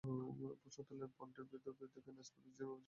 প্রশ্ন তোলেন, পন্টের বিরুদ্ধেও কেন স্পট ফিক্সিংয়ের অভিযোগ আনা হলো না।